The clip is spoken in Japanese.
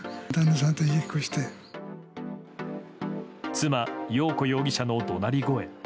妻・よう子容疑者の怒鳴り声。